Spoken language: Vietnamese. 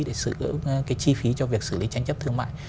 để xử lý cái chi phí cho việc xử lý tranh chấp thương mại